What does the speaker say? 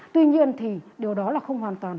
tuy nhiên thì điều đó là không hoàn toàn